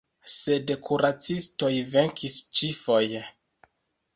Sed kuracistoj venkis ĉifoje.